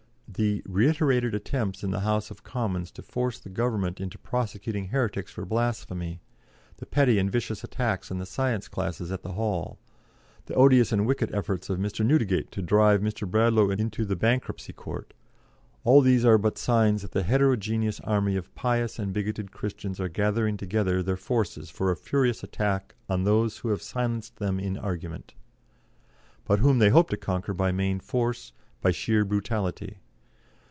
The reiterated attempts in the House of Commons to force the Government into prosecuting heretics for blasphemy; the petty and vicious attacks on the science classes at the Hall; the odious and wicked efforts of Mr. Newdegate to drive Mr. Bradlaugh into the Bankruptcy Court; all these are but signs that the heterogeneous army of pious and bigoted Christians are gathering together their forces for a furious attack on those who have silenced them in argument, but whom they hope to conquer by main force, by sheer brutality.